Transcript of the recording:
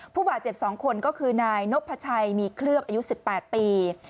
ผู้บาดเจ็บ๒คนก็คือนายนพชัยมีเคลือบอายุ๑๘ปี